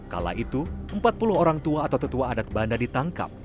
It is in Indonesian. kala itu empat puluh orang tua atau tetua adat banda ditangkap